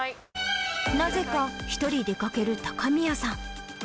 なぜか１人出かける高宮さん。